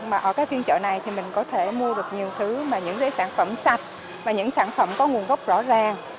mà ở cái phiên chợ này thì mình có thể mua được nhiều thứ những sản phẩm sạch và những sản phẩm có nguồn gốc rõ ràng